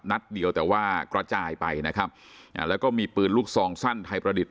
นัดเดียวแต่ว่ากระจายไปนะครับอ่าแล้วก็มีปืนลูกซองสั้นไทยประดิษฐ